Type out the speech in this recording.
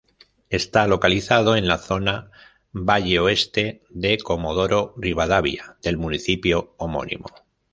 Está localizado en la zona Valle Oeste de Comodoro Rivadavia del municipio homónimo.